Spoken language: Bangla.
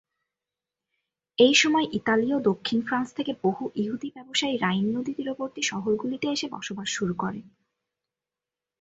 এইসময় ইতালি ও দক্ষিণ ফ্রান্স থেকে বহু ইহুদি ব্যবসায়ী রাইন নদী তীরবর্তী শহরগুলিতে এসে বসবাস শুরু করে।